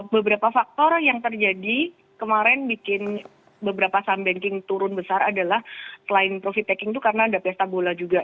beberapa faktor yang terjadi kemarin bikin beberapa somebanking turun besar adalah selain profit taking itu karena ada pesta bola juga